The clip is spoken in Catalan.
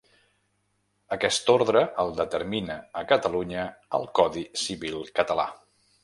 Aquest ordre el determina a Catalunya el Codi Civil Català.